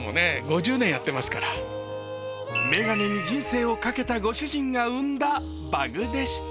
眼鏡に人生をかけたご主人が生んだバグでした。